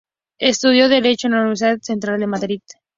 Estudió derecho en Universidad Central de Madrid.